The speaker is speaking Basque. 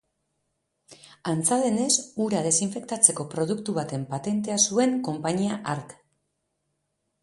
Antza denez, ura desinfektatzeko produktu baten patentea zuen konpainia hark.